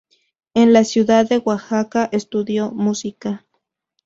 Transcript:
En la ciudad de Oaxaca estudió música.